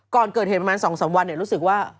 ก่อนเกิดเหตุประมาณ๒๓วันรู้สึกว่า